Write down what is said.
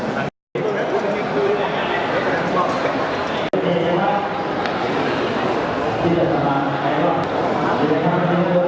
แปดหกแปดเกิ้ลครับสวัสดี